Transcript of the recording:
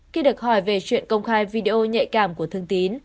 khi được hỏi về chuyện công khai video nhạy cảm của thương tín